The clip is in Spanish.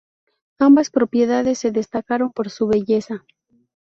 Ambas propiedades se destacaron por su belleza.